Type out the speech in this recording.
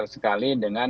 karena itu paralel dengan